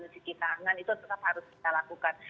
cuci tangan itu tetap harus kita lakukan